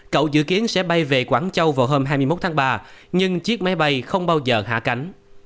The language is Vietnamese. cậu dự kiến sẽ bay về quảng châu vào hôm hai mươi một tháng ba nhưng chiếc máy bay không bao giờ hạ cánh